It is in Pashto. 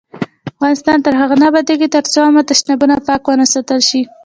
افغانستان تر هغو نه ابادیږي، ترڅو عامه تشنابونه پاک ونه ساتل شي.